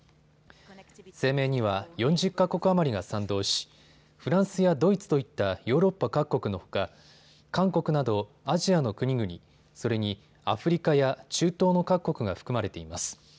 声明には４０か国余りが賛同しフランスやドイツといったヨーロッパ各国のほか韓国などアジアの国々、それにアフリカや中東の各国が含まれています。